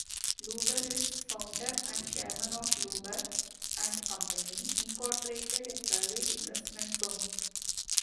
Lubar is founder and chairman of Lubar and Company, Incorporated a private investment firm.